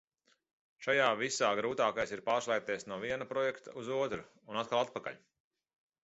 Šajā visā grūtākais ir pārslēgties no viena projekta uz otru un atkal atpakaļ.